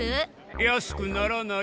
安くならない。